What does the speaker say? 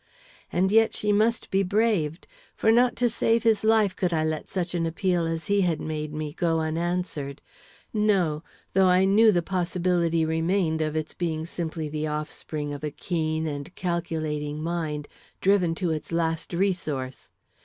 And yet she must be braved; for not to save his life could I let such an appeal as he had made me go unanswered; no, though I knew the possibility remained of its being simply the offspring of a keen and calculating mind driven to its last resource.